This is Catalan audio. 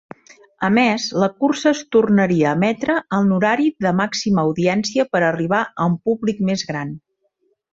A més, la cursa es tornaria a emetre en horari de màxima audiència per arribar a un públic més gran.